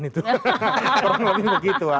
kurang lebih begitu